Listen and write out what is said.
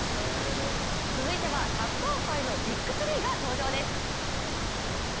続いてはサッカー界のビッグ３が登場です。